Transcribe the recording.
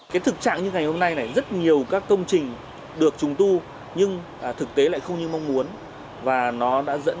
cái thực trạng như ngày hôm nay này rất nhiều các công trình được trùng tu nhưng thực tế lại không như mong muốn